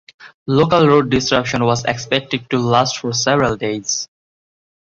Local road disruption was expected to last for several days.